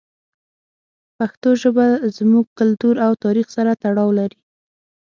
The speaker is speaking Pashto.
پښتو ژبه زموږ کلتور او تاریخ سره تړاو لري.